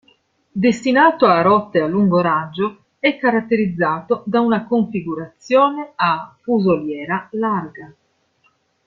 Destinato a rotte a lungo raggio, è caratterizzato da una configurazione a fusoliera larga.